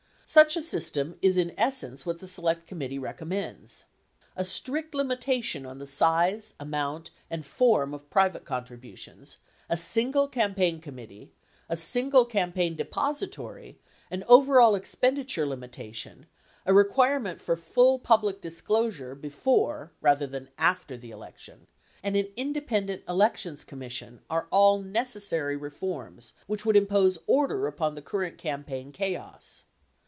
Such a sys tem is in essence what the Select Committee recommends. A strict limitation on the size, amount, and form of private contributions, a single campaign committee, a single campaign depository, an overall expenditure limitation, a requirement for full public disclosure before, rather than after the election, and an independent elections commis sion, are all necessary reforms which would impose order upon the current campaign chaos.